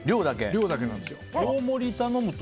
量だけなんですよ。